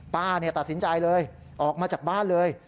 ป้าตัดสินใจเลยออกมาจากบ้านเลย